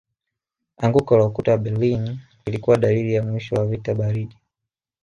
Anguko la ukuta wa Berlin lilikuwa dalili ya mwisho wa vita baridi